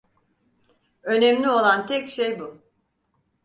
Önemli olan tek şey bu.